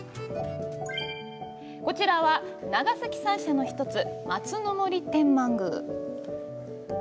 こちらは、長崎三社の１つ松森天満宮。